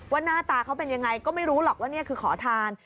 หน้าตาเขาเป็นยังไงก็ไม่รู้หรอกว่านี่คือขอทาน